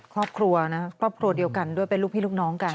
ครอบครัวนะครอบครัวเดียวกันด้วยเป็นลูกพี่ลูกน้องกัน